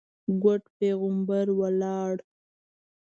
ګوډ پېغمبر ولاړ.